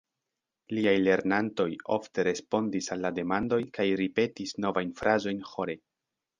Liaj lernantoj ofte respondis al la demandoj kaj ripetis novajn frazojn ĥore.